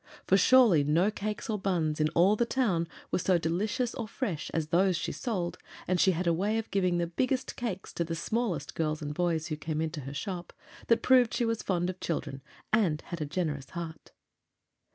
For surely no cakes or buns in all the town were so delicious or fresh as those she sold, and she had a way of giving the biggest cakes to the smallest girls and boys who came into her shop, that proved she was fond of children and had a generous heart.